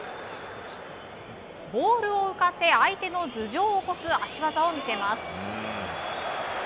ボールを浮かせ相手の頭上を越す足技を見せます。